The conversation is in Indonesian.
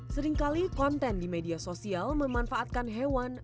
seringkali konten di media sosial memanfaatkan hewan